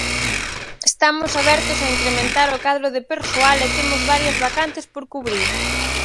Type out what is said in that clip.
Estamos abertos a incrementar o cadro de persoal e temos varias vacantes por cubrir.